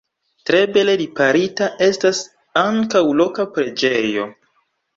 Tre bele riparita estas ankaŭ loka preĝejo.